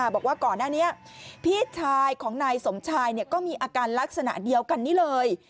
บอกว่าก่อนหน้านี้พี่ชายของนายสมชายก็มีอาการลักษณะเดียวกันนี้เลย